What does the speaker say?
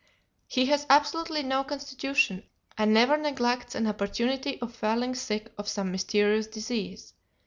He has absolutely no constitution, and never neglects an opportunity of falling sick of some mysterious disease.